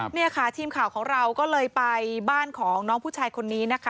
นี่ค่ะทีมข่าวของเราก็เลยไปบ้านของน้องผู้ชายคนนี้นะคะ